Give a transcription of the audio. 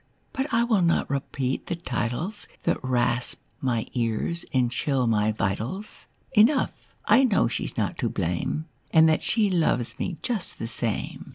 But I will not repeat the titles That rasp my ears and chill my vitals. Enough, I know she's not to blame. And that she loves me just the same."